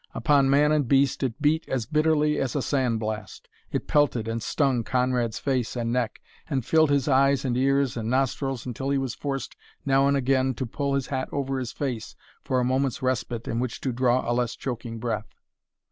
Upon man and beast it beat as bitterly as a sand blast. It pelted and stung Conrad's face and neck, and filled his eyes and ears and nostrils until he was forced now and again to pull his hat over his face for a moment's respite in which to draw a less choking breath.